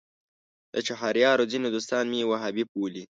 د چهاریارو ځینې دوستان مې وهابي بولي.